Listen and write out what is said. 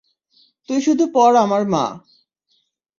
তুই শুধু পর আমার মা।